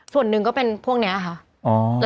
ส่วนหนึ่งก็เป็นพวกนี้ค่ะ